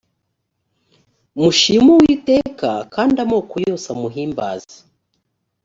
mushime uwiteka kandi amoko yose amuhimbaze